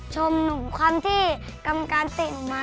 ชมหนูคำที่กรรมการเตะหนูมา